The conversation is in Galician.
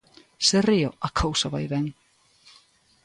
Se río, a cousa vai ben.